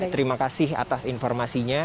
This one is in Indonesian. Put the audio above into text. terima kasih atas informasinya